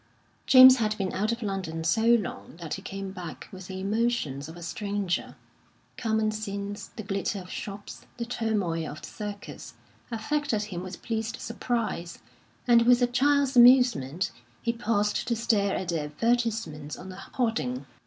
James had been out of London so long that he came back with the emotions of a stranger; common scenes, the glitter of shops, the turmoil of the Circus, affected him with pleased surprise, and with a child's amusement he paused to stare at the advertisements on a hoarding.